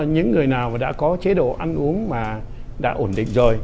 những người nào đã có chế độ ăn uống mà đã ổn định rồi